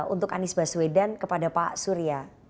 untuk anies baswedan kepada pak surya